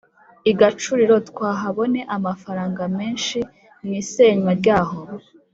igacuriro twahabone amafaranga menshi mwisenywa ryaho